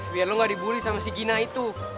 biar lo gak dibully sama si gina itu